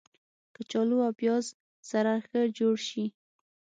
کچالو له پیاز سره ښه جوړ شي